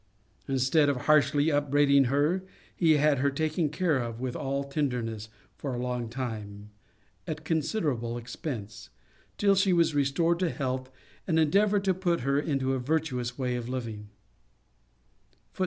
Instead of harshly upbraiding her, he had her taken care of with all tenderness for a long time, at considerable expence, till she was restored to health, and endeavoured to put her into a virtuous way of living.